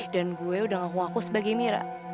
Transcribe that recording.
dan gue udah nggak ngaku aku sebagai mira